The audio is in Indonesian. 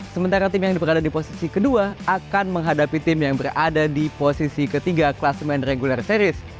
sementara tim yang berada di posisi kedua akan menghadapi tim yang berada di posisi ketiga kelas main regular series